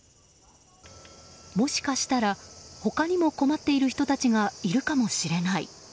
もしかしたら他にも困っている人たちがいるかもしれない。